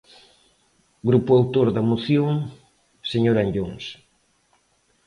Grupo autor da moción, señor Anllóns.